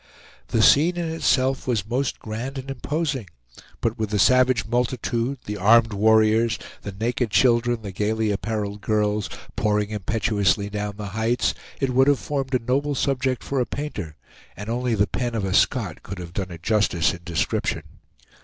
The scene in itself was most grand and imposing, but with the savage multitude, the armed warriors, the naked children, the gayly appareled girls, pouring impetuously down the heights, it would have formed a noble subject for a painter, and only the pen of a Scott could have done it justice in description.